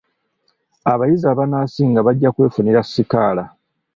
Abayizi abanaasinga bajja kwefunira sikaala.